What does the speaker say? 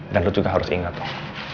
dan lu juga harus ingat loh